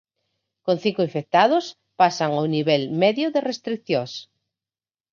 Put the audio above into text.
Con cinco infectados, pasan a un nivel medio de restricións.